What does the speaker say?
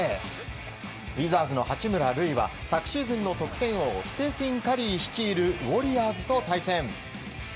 ウィザーズの八村塁は昨シーズンの得点王ステフィン・カリー率いるウォリアーズと対戦。